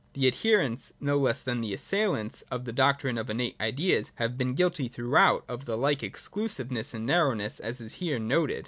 The adherents, no less than the assailants, of the doctrine of Innate Ideas have been guilty throughout of the like exclusiveness and narrowness as is here noted.